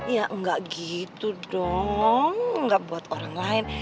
ya enggak gitu dong enggak buat orang lain